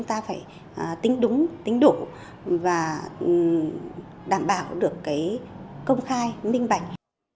tính đúng tính đủ và đảm bảo được công khai minh bạch